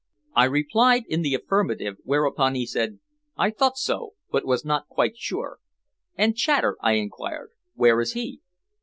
I replied in the affirmative, whereupon he said: "I thought so, but was not quite sure." "And Chater?" I inquired; "where is he?"